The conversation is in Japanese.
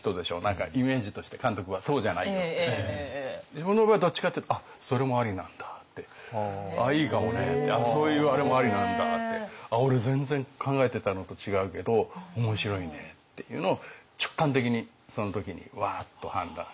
自分の場合はどっちかっていうと「あっそれもありなんだ」って「ああいいかもね」って「そういうあれもありなんだ」って「俺全然考えてたのと違うけど面白いね」っていうのを直感的にその時にワーッと判断して。